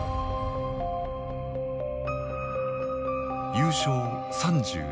優勝３２回。